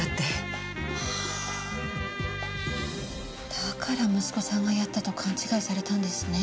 だから息子さんがやったと勘違いされたんですね。